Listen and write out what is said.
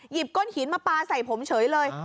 ก้นหินมาปลาใส่ผมเฉยเลย